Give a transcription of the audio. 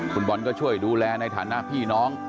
คุณบอลก็ช่วยดูแลในฐานะพี่น้อง